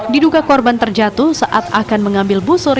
diduga korban terjatuh saat akan mengambil busur